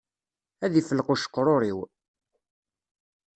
Ad ifelleq uceqrur-iw